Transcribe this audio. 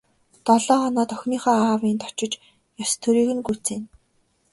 Долоо хоноод охиныхоо аавынд очиж ёс төрийг нь гүйцээнэ.